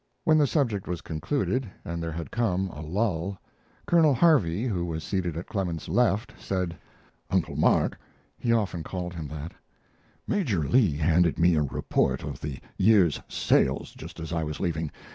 When the subject was concluded, and there had come a lull, Colonel Harvey, who was seated at Clemens's left, said: "Uncle Mark" he often called him that "Major Leigh handed me a report of the year's sales just as I was leaving.